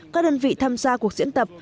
các đơn vị tham gia cuộc diễn tập